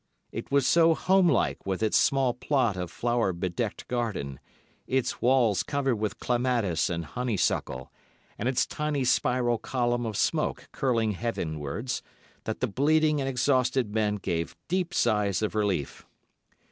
It was so home like with its small plot of flower bedecked garden, its walls covered with clematis and honeysuckle, and its tiny spiral column of smoke curling heavenwards, that the bleeding and exhausted men gave deep sighs of relief.